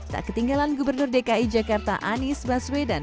tak ketinggalan gubernur dki jakarta anies baswedan